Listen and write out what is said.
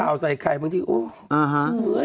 ข่าวใส่ไข่บางทีโอ้ย